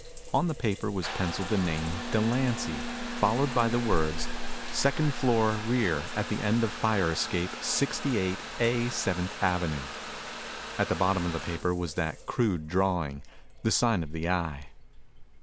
On the paper was penciled the name "Delancy" followed by the words, "Second floor rear at end of fire escape, sixty eight A Seventh Avenue." At the bottom of the paper was that crude drawing, the sign of the Eye.